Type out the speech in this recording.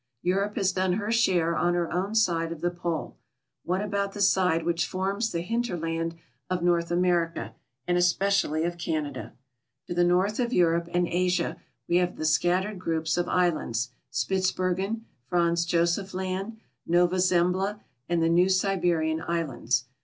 Europe has done her share on her own side of the Pole; what about the side which forms the hinter land of North America, and especially of Canada? To the north" of Europe and Asia we have the scattered groups of islands. Spits bergen, Franz Josef Land, Nova Zembla, and the New Siberian islands.